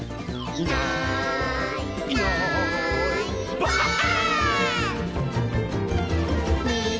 「いないいないばあっ！」